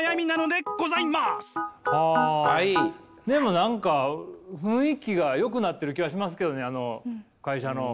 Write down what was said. でも何か雰囲気がよくなってる気はしますけどねあの会社の。